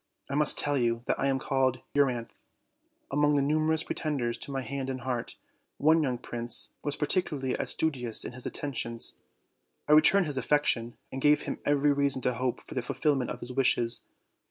I must tell you that I am called Euryanthe. Among the numerous pretenders to my hand and heart, one young prince was particuarly assiduous in his atten tions. I returned his affection, and gave him every rea son to hope for the fulfillment of his wishes.